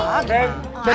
hidup pak rt